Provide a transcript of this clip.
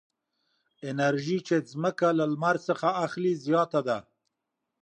انرژي چې ځمکه له لمر څخه اخلي زیاته ده.